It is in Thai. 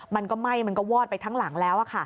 มันก็ไหม้มันก็วอดไปทั้งหลังแล้ว